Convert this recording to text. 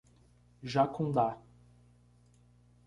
Jacundá